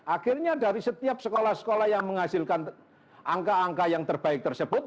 akhirnya dari setiap sekolah sekolah yang menghasilkan angka angka yang terbaik tersebut